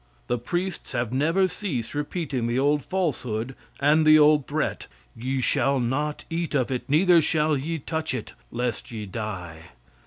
The priests have never ceased repeating the old falsehood and the old threat: "Ye shall not eat of it, neither shall ye touch it, lest ye die."